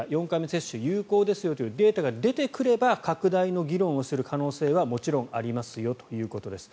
接種有効ですというデータが出てくれば拡大の議論をする可能性はもちろんありますよということです。